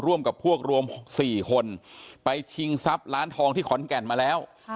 ร่วมกับพวกรวม๔คนไปชิงทรัพย์ร้านทองที่ขอนแก่นมาแล้ว